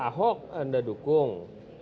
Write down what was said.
ahok anda dukung